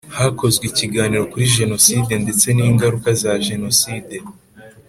Hakozwe ikiganiro kuri Jenoside ndetse n’ingaruka za Jenoside